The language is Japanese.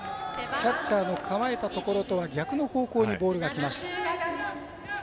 キャッチャーの構えたところとは逆の方向にボールがきました。